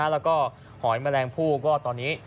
และห่อยแมลงผู้ก็ตอนนี้